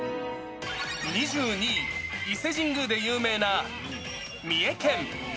２２位、伊勢神宮で有名な三重県。